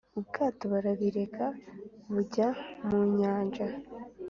ubwato barabireka bugwa mu nyanja